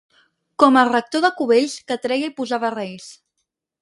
Com el rector de Cubells, que treia i posava reis.